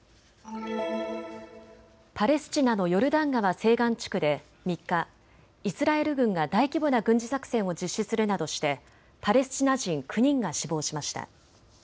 パレスチナのヨルダン川西岸地区で３日、イスラエル軍が大規模な軍事作戦を実施するなどしてパレスチナ人９人が死亡しました。